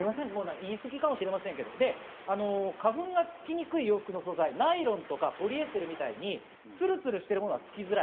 言い過ぎかもしれませんけど、花粉がつきにくい洋服の素材、ナイロンとかポリエステルみたいに、ツルツルしているものがつきにくい。